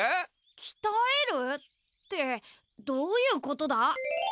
鍛えるってどういうことだ？